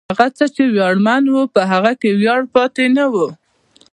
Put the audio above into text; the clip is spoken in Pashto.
هغه څه چې ویاړمن و، په هغه کې ویاړ پاتې نه و.